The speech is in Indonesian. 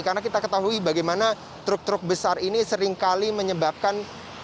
karena kita ketahui bagaimana truk truk besar ini seringkali menyebabkan